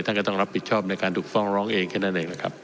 ก็ต้องรับผิดชอบในการถูกฟ้องร้องเองแค่นั้นเองนะครับ